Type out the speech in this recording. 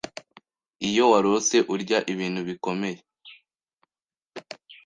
Iyo warose urya ibintu bikomeye